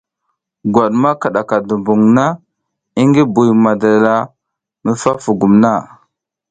Gwat ma kiɗaka dumbuŋ na i ngi Buy madala mi fa fugum na.